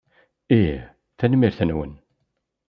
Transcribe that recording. Ih. Tanemmirt-nwen.